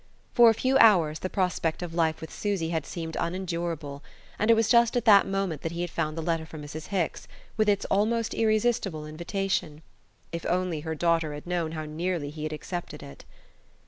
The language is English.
For a few hours the prospect of life with Susy had seemed unendurable; and it was just at that moment that he had found the letter from Mrs. Hicks, with its almost irresistible invitation. If only her daughter had known how nearly he had accepted it!